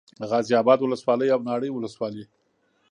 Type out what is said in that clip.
غازي اباد ولسوالي او ناړۍ ولسوالي